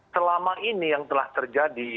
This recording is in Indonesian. selama ini yang telah terjadi